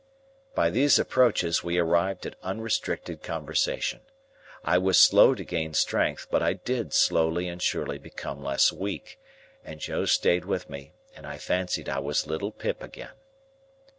By these approaches we arrived at unrestricted conversation. I was slow to gain strength, but I did slowly and surely become less weak, and Joe stayed with me, and I fancied I was little Pip again.